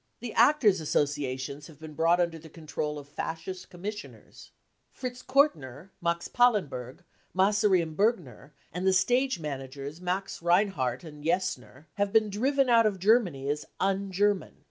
The Actors' Associations have been brought under the control of Fascist commissioners. Fritz Kortner, Max Pallenberg, Massary and Bergner, and the stage man agers Max Reinhardt and Jessner, have been driven out of Germany as cc un German."